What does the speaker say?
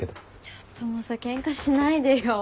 ちょっともうさケンカしないでよ。